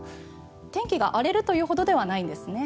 天気が荒れるというほどではないんですね。